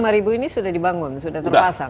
tapi lima ribu ini sudah dibangun sudah terpasang